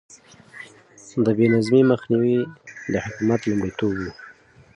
د بې نظمي مخنيوی يې د حکومت لومړيتوب و.